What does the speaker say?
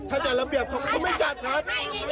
ถ้าจัดระเบียบเขาก็ไม่จัดครับ